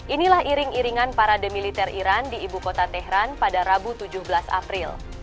inilah iring iringan para demiliter iran di ibu kota tehran pada rabu tujuh belas april